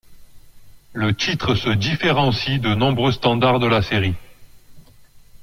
Le titre se différencie de nombreux standards de la série.